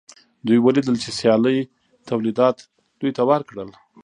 دوی ولیدل چې سیالۍ تولیدات دوی ته ورکړل